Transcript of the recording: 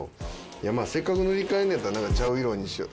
いやまあせっかく塗り替えんのやったらなんかちゃう色にしよう。